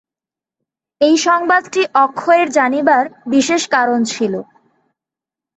এই সংবাদটি অক্ষয়ের জানিবার বিশেষ কারণ ছিল।